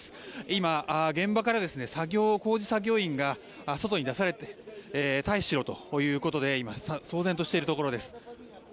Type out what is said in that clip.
今、現場からは工事作業員が外に出されて退避しろということで今、騒然としているところです。